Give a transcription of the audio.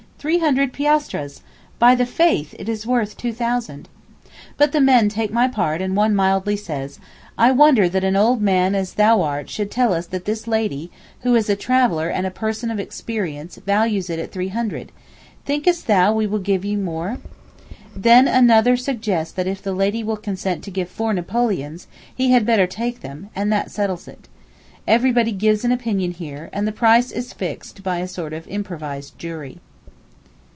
Three hundred piastres! By the faith, it is worth two thousand!' But the men take my part and one mildly says: 'I wonder that an old man as thou art should tell us that this lady, who is a traveller and a person of experience, values it at three hundred—thinkest thou we will give thee more?' Then another suggests that if the lady will consent to give four napoleons, he had better take them, and that settles it. Everybody gives an opinion here, and the price is fixed by a sort of improvised jury.